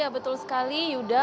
betul sekali yuda